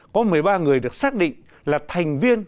có một mươi ba người được xác định là thành viên